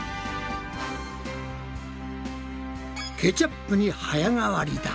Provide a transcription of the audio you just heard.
ケチャップに早変わりだ。